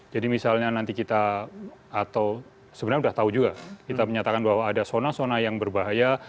misalnya nanti kita atau sebenarnya sudah tahu juga kita menyatakan bahwa ada zona zona yang berbahaya